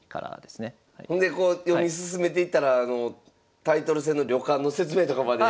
ほんでこう読み進めていったらタイトル戦の旅館の説明とかまで。